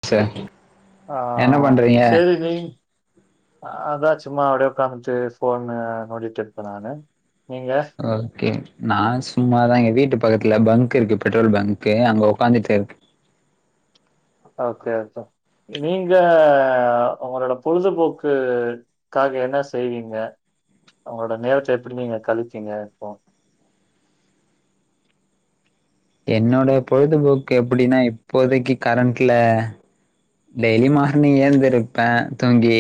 [unintelligible] அ என்ன பண்றீங்க செரி நீ ஆ தா சும்மா அப்டியே உக்காந்துட்டு போன்ன நோண்டிட்டு இருப்பேன் நானு நீங்க ஓகே நான் சும்மா தான் எங்க வீட்டு பக்கத்துல பங்க் இருக்கு பெட்ரோல் பங்க் அங்க உக்காந்துட்டு இருக்கே ஓகே ஓகே நீங்க உங்களோட பொழுதுபோக்கு க்காக என்ன செய்வீங்க அவங்களோட நேரத்தை எப்டி நீங்க கழித்தீங்க இப்போ என்னோட பொழுதுபோக்கு எப்டின்னா இப்போதைக்கு கரண்ட்ல டெய்லி மார்னிங் ஏந்து இருப்பேன் தூங்கி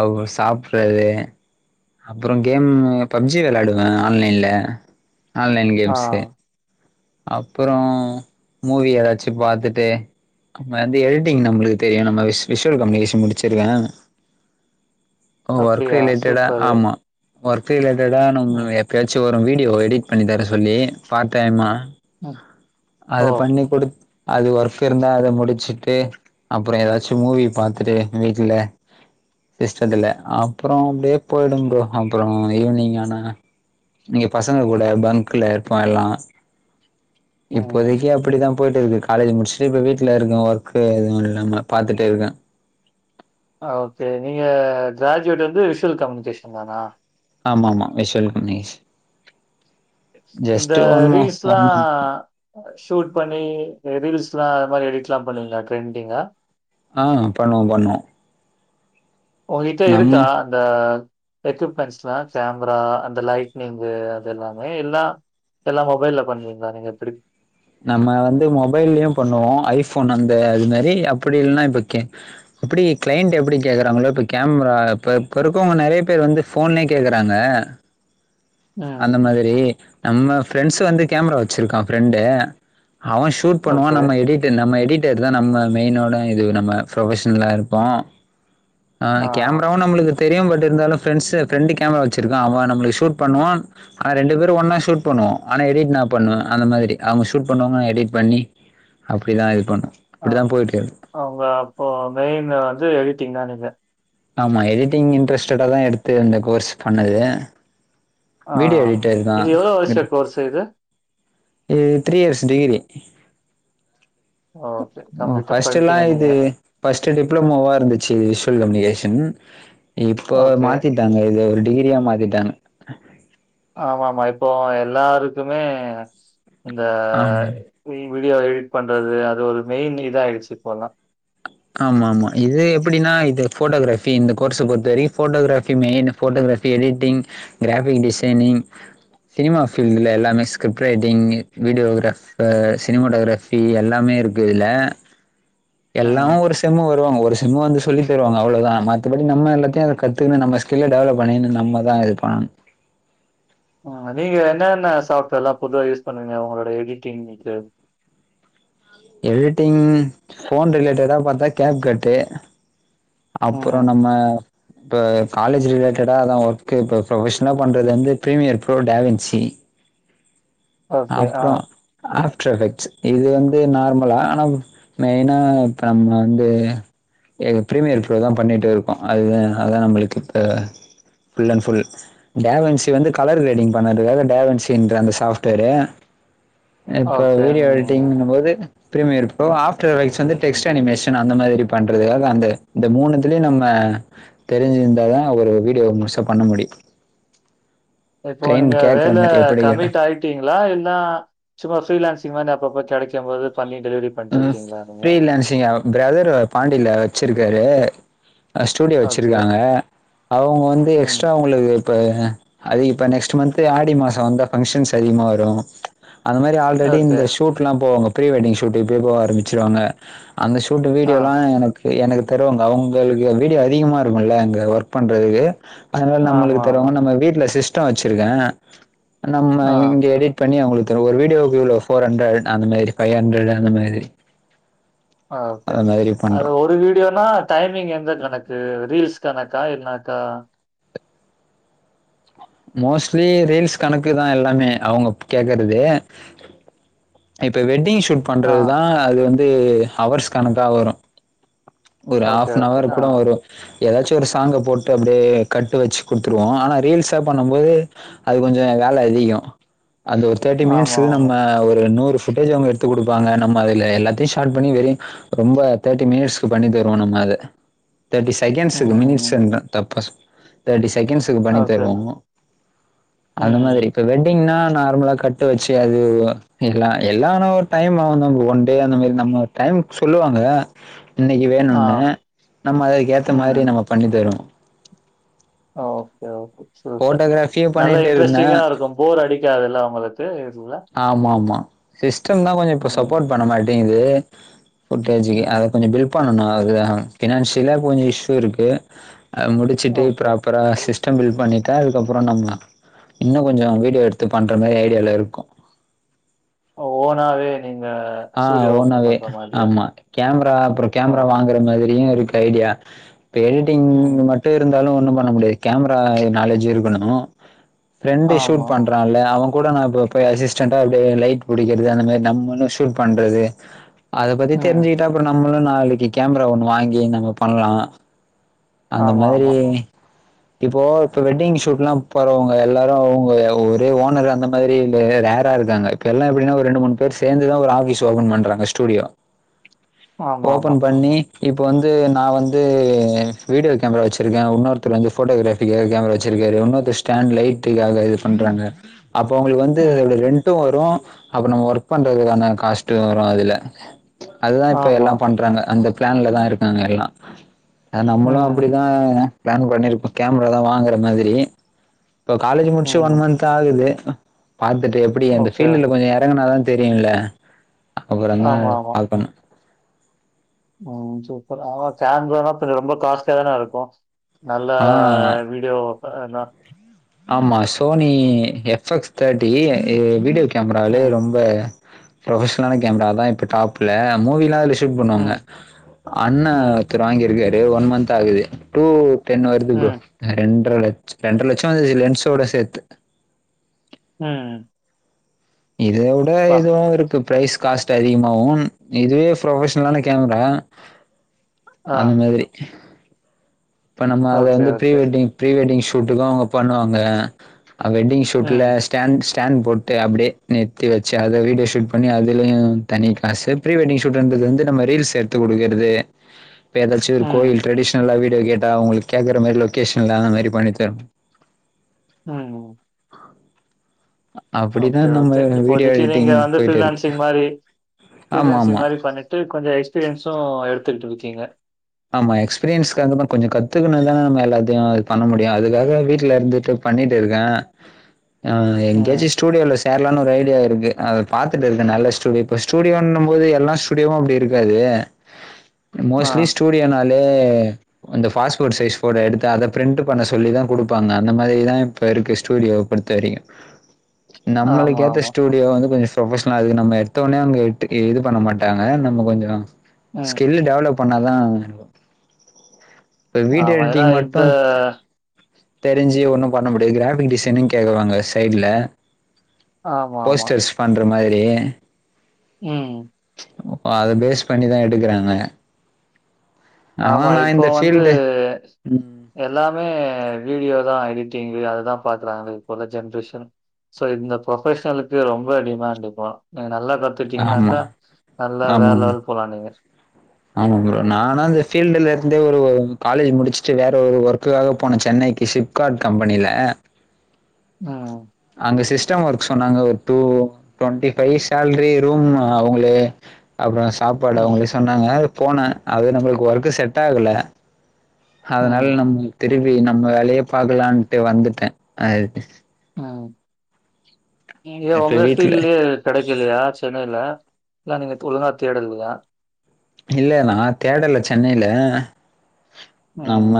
அவுங்க சாப்பறது அப்றம் கேம் பப்ஜி வெளையாடுவேன் ஆன்லைன்ல ஆன்லைன் ஆ கேம்ஸு அப்றம் மூவி ஏதாச்சும் பாத்துட்டு அது எடிட்டீங் நம்மளுக்கு தெரியும் நம்ம விஷுவல் கம்யூனிகேஷன் முடிச்சிருக்கேன் ஒர்க் அப்டியா ரிலேட்டடா சூப்பரு. ஆமா ஒர்க் ரிலேட்டடா ம் நம்ம எப் பேச்சு வரும் வீடியோ எடிட் பண்ணி தர சொல்லி பார்ட்டைம்மா ம். அத ஓ! பண்ணி குடுத் அது ஒர்க் இருந்தா அத முடிச்சுட்டு அப்புறோ எதாச்சு மூவி பாத்துட்டு வீட்டுல்ல எஸ்ட்றதுல்ல அப்புறோ அப்டியே போய்டும் ப்ரோ அப்புறோ ஈவுனிங் ஆனா இங்க பசங்க கூட பங்க்குல இருப்போ எல்லா ம். இப்போதைக்கு அப் பிடிதா போய்ட்டிருக்கு காலேஜ் முடிஸட்டு இப்ப வீட்ல இருக்க ஒர்க்கு எது இல்லாம பாத்துட்டே இருக்க ஓகே நீங்க கிராஜுவேட் வந்து விஷ்வல் கம்னிகேஷன்தானா ஆமா ஆமா விஷ்வல் கம்னிகேஷன் இந்த ஒன் ரீல்ஸ்லா ஒன் மந்த் ஷூட் பண்ணி இந்த ரீல்ஸ்லா அது மாரி எடிட்லா பண்ணுவீங்ளா ட்ரெண்டிங்கா ஆ பண்ணுவோ பண்ணுவோ ஒங்கிட்ட இருக்கா அந்த எக்யூப்மெண்ட்ஸ்லா கேம்ரா அந்த லைட்னிங்கு அது எல்லாமே எல்லா எல்லா மொபைல்ல பண்ணுவீங்ளா நீங்க திருப் நம்ம வந்து மொபைல்லியு பண்ணுவோ ஐஃபோன் அந்த அது மாரி அப்புடி இல்ன்னா இப்போ கேன் எப்புடி கிளைண்ட் எப்புடி கேக்குறாங்களோ இப்போ கேம்ரால இப்ப இப்போ இருக்கவ்ங்க நெறையபேர் வந்து ஃபோன்னே கேக்குறாங்க ம். அந்த மாதிரி நம்ம ஃபிரெண்ஸ் வந்து கேம்ரா வச்சிருக்கான் ஃபரெண்டு அவன் ஷூட் ஓகே. பண்ணுவான் நம்ம எடிட்டு நம்ம எடிட்டர்தா நம்ம மெய்னோட இது நம்ம புரொஃபஷ்னல்லா இருப்போ ஆ கேம்ராவு நம்மளுக்கு தெரியு பட் இருந்தாலு ஃபிரெண்ஸு ஃபிரெண்டு கேமரா வச்சிருக்கான் அவன் நம்ளுக்கு ஷூட் பண்ணுவான் ஆனா ரெண்டு பேரூ ஒன்னா ஷூட் பண்ணுவோ ஆனா எடிட் நா பண்ணுவ அந்த மாதிரி அவ்ங்க ஷூட் பண்ணுவாங்க நா எடிட் பண்ணி அப்டிதா இது பண்ணு அ அவ்ங்க அப்போ மெய்ன் வந்து எடிட்டிங்தா நீங்க ஆமா எடிட்டிங் இன்ட்ரெஸ்டடாதா எடுத்து இந்த கோர்ஸ் பண்ணது வீடியோ எடிட்டர்தா என்து ஒரு சைடு இது த்ரீயர்ஸ் டிகிரி ஓகே. ம் கம்ப்ளீட்டும் ஃபஸ்டெல்லா பண்ணிட்டீங்க நீங்க. இது பஸ்ட்டு டிப்ளமோவா இருந்துச்சு விஷ்வல் கம்னிகேஷன் இப்போ ஓகே. மாத்திட் டாங்க இத ஒரு டிகிரியா மாத்திட்டாங்க ஆமாம்மா இப்போ எல்லாருக்குமே இந்த ஆமா. ரீல் வீடியோ எடிட் பண்றது அது ஒரு மெய்ன் இதா ஆய்ச்சு இப்போலா ஆமாம்மா இது எப்டினா இது ஃபோட்டோகிராஃபி இந்த கோர்ஸ பொறுத்தவரைக்கு photography main photography editing graphic designing cinema ஃபீல்டுல எல்லாமே ஸ்கிரிப் ரைட்டிங்கு வீடியோகிராஃப் இப்ப சினிமோடோகிராஃபி எல்லாமே இருக்கு இதுல சார்லா ம். ஒரு செம்மு வருவாங்க ஒருஷ் செம்மு வந்து சொல்லிதருவாங்க அவ்ளோதா மத்தபடி நம்ம எல்லாத்யு அதுல கத்துகுன்னு நம்ம ஸ்கில்ல டெவலப் பண்ணின்னு நம்மதா இது பண்ணணு அதே இதுல என்னென்ன சாஃப்ட்வேர்லா பொதுவா யூஸ் பண்ணிவீங்க உங்குளோட எடிட்டிங்க்கு எடிட்டிங் ஃபோன் ரிலேட்டடா பாத்தா கேப்கட்டு அப்புறோ ம். நம்ம இப்ப காலேஜ் ரிலேட்டடா அதா ஒர்க்கு இப்ப புரொபஷ்னா பண்றது வந்து ப்ரீமியர் ப்ரோ டாவென்சி [inaudible] ஓகே. ஆ. அப்றோ ஆஃப்டர் ஹெச்சு இது வந்து நார்மலா ஆனா உ மெய்னா இப்ப நம் வந்து எது ப்ரீமியர் ப்ரோ தா பண்ணிட்டு இருக்கோ அதுத அதா நம்மளுக் இப்ப ஃபுல் அண் ஃபுல் டாவன்சி வந்து கலர் கிரேடிங் பண்ணறதுக்காக டாவன்சின்ற அந்த சாஃப்ட்வேரு இப்ப ஓகே. வீடியோ ம். எடிட்டிங்னும் போது பிரீமியர் ப்ரோ ஆஃப்டர்வைஸ் வந்து டெக்ஸ்ட் அனிமேஷன் அந்த மாறி பண்றதுக்காக அந்த இந்த மூணுத்துலயு நம்ம தெருஞ்சுருந்தாதா ஒரு வீடியோவ முழுசா பண்ண முடியு இப்போ நீங்க கேட்குற வேல மாதிரி எப்படி கேட்டால் கமிட் ஆய்ட் டீங்ளா இல்னா சும்மா ஃப்ரீலான்சிங் மாறி அப்ப‌ அப்ப கெடைக்கும் போது பண்ணி டெலிவரி பண்ணிட்டு ம் இருக்கீங்களா நீங்க? ஃப்ரீலேன்சிங்க‌ பிரதர் பாண்டில வெச்சுருக்காரு அ ஸ்டூடியோ ஓகே. வெச்சுருக்காங்க அவங்க வந்து ம். எஸ்ட்ரா அவங்ளுக்கு இப்ப அது இப்ப நெக்ஸ்ட் மந்த்து ஆடி மாசோ வந்தா ஃபங்க்ஷன்ஸ் அதிகமா வரு அந்த மாரி ஆல்ரெடி ஓகே. இந்த ஷுட்லா போவாங்க ப்ரீ வெட்டிங்ஷுட் இப்பயே போக ஆரம்பிச்சுருவாங்க அந்த ஷூட்டு ஆ. வீடியோலா எனக் கு எனக்கு தருவாங்க அவங்களுக்கு வீடியோ அதிகமா இருக்குல்ல அங்க ஒர்க் பண்றதுக்கு அதுனால நம்மளுக்கு ஆமாமா. தருவாங்க நம்ம வீட்ல சிஸ்டோ வெச்சுருக்கே நம்ம ஆ. இங்க எடிட் பண்ணி அவங்களுக்கு தருவ ஒரு வீடியோகு இவ்ளோ ஃபோர் ஹன்ரட் அந்த மாரி ஃபைஹன்ரட் அந்த மாதிரி ஆ ஓகே அது மாதிரி அது பண்றோம் ஒரு வீடியோனா டைமிங் எந்து கனக்கு ரீல்ஸ்கனக்கா இல்னாக்கா மோஸ்ட்லி ரீல்ஸ் கணக்குதா எல்லாமே அவங்க கேக்குறது இப்ப வெட்டிங் ஷூட் ஆ. பண்றதுதா அது வந்து ஹவர்ஸ் கணக்கா வரு ஒரு ஓகே, ஓகே. ஹாஃப்னவர் ஆ. கூட வரு ஏதாச்சு ஒரு சாங்க போட்டு அப்டியே கட்டு வெச்சு குடுத்துருவோ ஆனா ரீல்ஸா பண்ணம்போது அது கொஞ்ச வேல அதிகோ அந்த ஒரு தெர்ட்டி மினிட்ஸு நம்ம ஆமாமா. ஒரு நூறு ஃபுட்டேஜ் அவங்க எடுத்து குடுப்பாங்க நம்ம அதுல எல்லாத்தையு ஷாட் பண்ணி வெரி ரொம்ப தெர்டி மினிட்ஸ் கு பண்ணி தருவோ நம்ம அது தெர்ட்டி செகண்ட்ஸுக்கு ம். மினிட்ஸுன்ட தப்பா ச் தெர்ட்டி செகண்ட்ஸ் க்கு பண்ணி ஓகே. தருவோங்கோ அந்த ம். மாதிரி இப்ப வெட்டிங்னா நார்மலா கட்டு வெச்சு அதுவு எல்லா எல்லா ஆனா ஒரு டைம் ஆகுதா ஒன் டே அந்த மாரி நம்ம டைம் சொல்லுவாங்க இன்னைக்கி வேணுன்னு ஆ. நம்ம அத்க்ஷுக்கு ஏத்த மாரி ம். நம்ம பண்ணி தருவோ ஓகே ஓகே சூப்பர் ஃபோட்டோகிராஃபியும் நல்லா பண்ணிட்டு இருந்தேன். இன்ட்ரெஸ்டிங்கா இருக்கு போர் அடிக்காதுல உங்களுக்கு இதுல ஆமா ஆமா சிஸ்டம்தா கொஞ்சோ இப்ப ம், சப்போர்ட் பண்ண மாட்டேங்குது ஃபுட்டேஜுகு அத ம். கொஞ்சோ பில்ட் பண்ணனு அது ஃபினான்சியலா கொஞ்சோ இஷ்யூ இருக்கு அது முடி சிட்டு ஓகே. பிராப்பரா சிஸ் டம் பில்ட் ‌பண்ணிட்டா அதுக்கப்றோ நம்ம இன்னு கொஞ்சோ வீடியோ எடுத்து பண்ற மாரி ஐடியால இருக்கோ ஓனாவே நீங்க ஆ ஸ்டூடியோ ஓப்பன் ஓனாவே பண்ற மாதிரியா? ஆமா கேமரா அப்பறோ ஓ! கேமரா வாங்குற மாதிரியு இருக் ஐடியா இப்ப எடிட்டிங் ம். ம ட்டு இருந்தாலு ஒன்னு பண்ண முடியாது கேமரா ஆ நாலேஜு இது பண்ணணு ஃப்ரெண்டு சூட் ஆமா. பண் றால்ல அவ கூட நா இப்ப போய் அசிஸ்டன்டா வந்து லைக்புடிக்கிறது அந்த மாரி நம்மளு ஷு ட் பண்றது அத பத்தி ம். தெருஞ்சுகிட்டா அப்புறோ நம்மளு நாளைக்கி கேமரா ஒன்னு வாங்கி நம்ம பண்லா அந்த மாதிரி ஆமாமா. [inaudible] இப்போ இப்ப வெட்டிங் ஷூட்லா போறவங்க எல்லாரு அவங்க ஒ ஒரே ஓனரு அந்த மாதிரி இல்லயே ரேரா இருக்காங்க கெல்லா எப்பினா ஒரு ரெண்டு மூனு பேரு சேந் துதா ஒரு ஆஃபிஸ் ஓபன் பண்றாங்க ஸ்டூடியோ ஆமாமா. ஓபன் பண்ணி இப்போ வந்து நா வந்து வீடியோ கேமரா வெச்சுருக்கே இன்னொருத்தரு வந்து ஃபோட்டோகிராஃப் காக கேமரா வெச்சுருக்காரு இன்னொருதரு ஸ்டேண்டு லைட்டுக்காக இது பண்றாங்க அப்போ ஒங்குளுக்கு வந்து ம். ரென்ட்டு வரு அப்ப நம்ம ஒர்க் பண் அதுக்கான காஸ்ட்டு வரு அதுல அதுதா இப்ப ஆமா. எல்லா பண்றாங்க அந்த பிளான்ல தா இருக்காங்க எல்லா அ நம்மளு ம், அப்டிதாங்க ங்க பிளான் பண்ணிருக்கோ கேமரா தா வாங்குற மாதிரி இப்போ காலேஜ் முடிச்சு ம். ஒன் மந்த் தா ஆகுது பாத்துட்டு எப்டி அந்த ஓகே, ஃபீல்டுல ஓகே. கொஞ்சோ எறங்குனாதா தெரியு இல்ல அப்பறந்தா ஆமாமா. கால் பண்ணே ம் சூப்பர் ஆனா கேமரான்னா பின்ன ரொம்ப காஸ்ட்லியா தானே இருக்கு நல்ல ஆ வீடியோ ப ண்ணா ஆமா சோனி எஃப் எக்ஸ் தேட்டி இ வீடியோ கேமராலே ம், ரொம்ப ப்ரொஃபஷ்லான கேமரா அதா இப்ப டாப்ல மூவிலா அதுல டிம் பண்ணுவாங்க ம், அண்ண ம், ஒருத்தரு வாங்கிருக்காரு ஒன் மந்த் ஆகுது டூ டென்னு வருது ப்ரோ ம், ரெண்ட்ர லச் ரெண்ட்ர லட்சோ வருது லென்ஸ்சோட சேத்து ம் இத வுட அப்பா! இதுவு இருக்கு ப்ரைஸ் காஸ்ட் அதிகமாவு இதுவே ப்ரொஃபஷ்லான கேமரா ஆ. அந்த மாதிரி இப்ப நம்ம அத ஓகே, வந்து pre okay. Wedding pre wedding ஷூட்டுக்கு அவங்க பண்ணுவாங்க அ வெட்டிங் ஷூட்டுல ம், ஸ்டேண் ஸ்டேண்ட் போட்டு அப்டே நிறுத்தி வச்சே அத வீடியோ ஷூட் பண்ணி அதுலியு தனி காசு ப்ரீ வெட்டிங் ஷூட்டுன்றது வந்து நம்ம ரீல்ஸ் எடுத்து குடுக்கறது இப்ப எதாச்சு ஒரு ம், கோயில் ட்ரெடிஷ்னல்லா வீடியோ கேட்டா அவுங்களுக்கு கேக்கற மாரி லொக்கேஷன்லா அந்த மாரி பண்ணித்தர அ அப்டிதா ஓகே நம்ம ஓகே வீடியோ இப்போதைக்கு நீங்க எடிட்டிங் வந்து போயிட்டு இருக்கு ஃப்ரீலேன்சிங் மாரி ஆமா ஆமா ஃப்ரீலான்சிங் மாரி பண்ணிட்டு கொஞ்சோ எக்ஸ்பீரியன்ஸ்சு எடுத்துட்ருக்கீங்க ஆமா எக்ஸ்பீரியன்ஸ்க்காகதா கொஞ்சோ கத்துகுணுந்தானே நம்ம எல்லாத்தையு பண்ண முடியு அதுக்காக வீட்ல இருந்துட்டு பண்ணிட்டு இருக்கே அ ம். எங்கயாச்சு ஸ்டூடியோல சேர்லான்னு ஒரு ஐடியா இருக்கு அது பாத்துட்டு இருக்கே நல்ல ஸ்டூடியோ இப்ப ஸ்டூடியோன்னும் போது எல்லா ஸ்டூடியோவு அப்டி இருக்காது ஆ. மோஸ்ட்லி ஸ்டூடியோனாலே அந்த பாஸ்போர்ட் சைஸ் ஃபோட்டோ எடுத்து அத பிரிண்ட்டு பண்ண சொல்லி தா குடுப்பாங்க அந்த மாரி தா இப்ப இருக்க ஸ்டூடியோவ பொறுத்த வரைக்கு ஆமா, நம்மளுக்கேத்த ஆமா. ஸ்டூடியோ வந்து கொஞ்சோ ப்ரோஃபஷ்னலா அதுக் நம்ம எடுத்த ஒன்னே அங்க எட்டு இது பண்ண மாட்டாங்க நம்ம கொஞ்சோ ம். ஸ்கில்லு டெவலப் தா இப்ப வீடியோ ஆமா. ஏன்னா எடிட்டிங் மட்டு இந்த தெரிஞ்சி ஒன்னு பண்ண முடியா கிராஃபிக் டிசைனிங் கேக்குவாங்க சைட்ல ஆமா, ஆமா. போஸ்டர்ஸ் பண்ற மாதிரி ம் ஓ அத பேஸ் பண்ணிதா எடுக்குறாங்க ஆனா ஆமா நா இப்போ இந்த வந்து ஃபீல்டு ம் எல்லாமே வீடியோதா எடிட்டிங்கு அதுதா பாக்குறாங்க இப்ப உள்ள ஜென்ரேஷன் சோ இந்த ப்ரொஃபஷ்னலுக்கு ரொம்ப டிமாண்ட் இப்போ நீங்க நல்லா கத் ஆமா த்துட்டீங்கனாக்கா நல்லா வேற ஆமா லெவல் போலா நீங்க ஆமா ப்ரோ நானா இந்த ஃபீல்டுல இருந்தே ஒரு ஒரு காலேஜ் முடிச்சுட்டு வேற ஒரு ஒர்க்குக்காக போனே சென்னைக்கு ஷிப் க்காட் கம்பனில ம் அங்க சிஸ்டம் ஒர்க் சொன்னாங்க ஒரு two twenty five salary room அவ்ங்களே அப்றோ சாப்பாடு ம், அவ்ங்களே சொன்னாங்க போனே அது நம்மளுக்கு ஒர்க்கு செட் ஆகல ம். அதனால நம் திருப்பி நம்ப வேலையே பாக்கலான்ட்டு வந்துட்டே அது அம் நீங்க ஏ இப்ப ஒங்க வீட்ல ஃபீல்ட்லே கெடைக்கலையா சென்னைல இல்ல நீங்கத் ஒழுங்கா தேடலையா இல்ல நா தேடல சென்னைல ம், நம்ம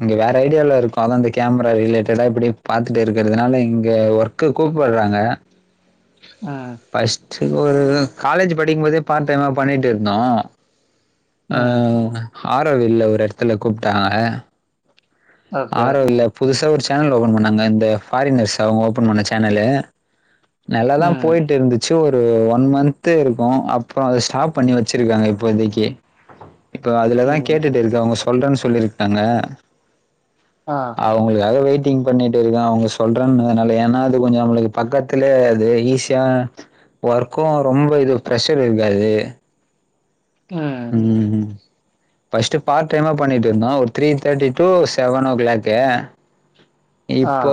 இங்க வேற ஐடியால இருக்கோ அதா அந்த கேமரா ரிலேட்டடா இப்டி பாத்துட்டே இருக்கறதுனால இங்க ஒர்க் க்கு கூப்பட்றாங்க அ ஃபஸ்ட்டு ஒரு ம் காலேஜு படிக்கும்போதே பார்ட் டைமா பண்ணிட்டு இருந்தோ அ ம். ஆரோவில்ல ஒரு எடத்துல கூப்ட்டாங்க ஓகே. ம், ஆரோவில்ல புதுசா ஒரு சேனல் ஓப்பன் பண்ணாங்க இந்த ஃபாரினர்ஸ் அவ்ங்க ஓப்பன் பண்ண சேனலு நல்லா தா ம், போயிட்டு இருந்துச் சோ ஒரு ஒன் மந்த் இருக்கு அப்றோ அத ஸ்டாப் பண்ணி வெச்சிருக்காங்க இப்போதைக்கு இப்ப அதுலதா ம். கேட்டுட்டு இருக்கே அவ்ங்க சொல்றன் சொல்லிருக்காங்க ஆ அவ்ங்களுக்காக வெயிட்டிங் பண்ணிட்டு இருக்கே அவ்ங்க சொல்றன்னதனால ஏனா அது கொஞ்ச நம்மளுக்கு பக்கத் த்துல அது ஈஸியா ஒர்க்கு ரொம்ப இது பிரஷர் இருக்காது ம் ம் ஃபஸ்ட்டு பார்ட் டைமா பண்ணிட்டு இருந்தோ ஒரு three thirty to seven O clock [inaudible] இப்போ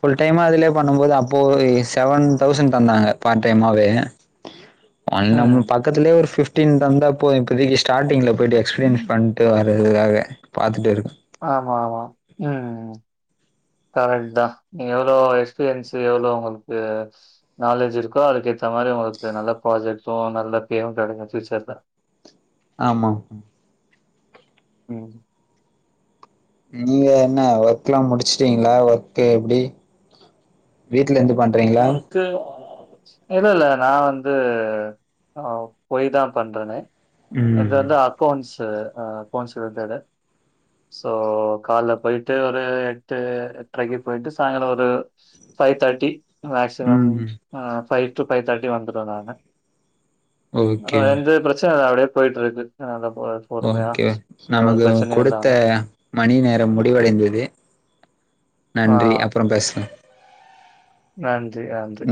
ஃபுல் டைமா அதுலயே பண்ணும்போது அப்போ எ செவன் தௌசண்ட் தந்தாங்க பார்ட் டைமாவே [inaudible] அது நம்ம பக்கத்துலே ஒரு ஃபிஃப்டின் தந்தப்போ இப்போதைக்கு ஸ்டார்டிங்ல போயிட்டு எக்ஸ்பீரியன்ஸ் பண்ட்டு வர்றதுக்காக பாத்துட்டு இருக்கோ ஆமா ஆமா ம் ம் கரெக்ட் தா எவ்ளோ எக்ஸ்பீரியன்ஸு எவ்ளோ உங்களுக்கு நாலேஜ் இருக்கோ அதுக்கு ஏத்த மாரி உங்களுக்கு நல்ல ப்ராஜெக்ட்ஸு நல்ல பேரு கெடைக்கு ஃபியூச்சர்ல ஆமா ம் இங்க என்ன ஒர்க்லா முடிச்சுட்டீங்ளா ஒர்க் எப்டி வீட்லருந்து பண் அ இது இல்ல இல்ல நா வந்து அ போய் தா பண்றனே இது ம் வந்து அக்கௌண்ட்ஸு ஆ அக்கௌன்ஸ் ரிலேட்டடு சோ கால்ல போயிட்டு ஒரு எட்டு எட்ரைக்கு போயிட்டு சாய்ங்கால ஒரு ஃபைவ் தேர்ட்டி மேக்சிமம் ம் ஃபைவ் டூ ஃபைவ் தேர்ட்டி வந்துருவ நானு அ ஓகே எந்த ஓகே பிரச்சனையு இல்ல அப்டியே போயிட்ருக்கு நல்லா போகுது ஓகே நமக்கு குடுத்த மணி நேரம் முடிவடைந்தது ஆ நன்றி அப்பற பேசலா நன்றி நன்றி